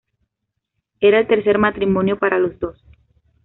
Era el tercer matrimonio para los dos.